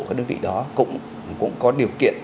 của đơn vị đó cũng có điều kiện